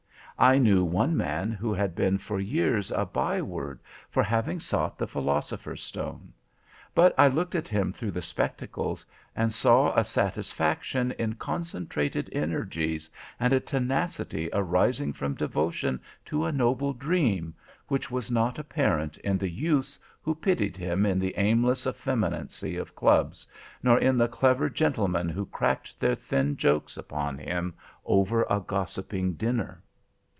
I knew one man who had been for years a by word for having sought the philosopher's stone. But I looked at him through the spectacles and saw a satisfaction in concentrated energies, and a tenacity arising from devotion to a noble dream, which was not apparent in the youths who pitied him in the aimless effeminacy of clubs, nor in the clever gentlemen who cracked their thin jokes upon him over a gossiping dinner.